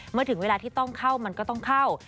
เมื่อถึงเวลาที่ต้องเข้ามันก็ต้องเข้า